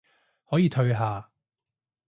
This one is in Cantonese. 可以退下